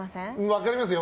分かりますよ。